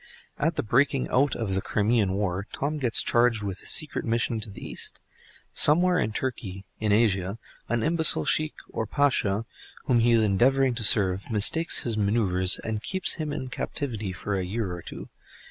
At the breaking out of the Crimean War, Tom gets charged with a secret mission to the East. Somewhere in Turkey, in Asia, an imbecile Sheikh or Pasha whom he is endeavoring to serve, mistakes his manœuvres, and keeps him in captivity for a year or two.